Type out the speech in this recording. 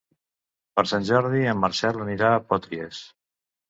Per Sant Jordi en Marcel anirà a Potries.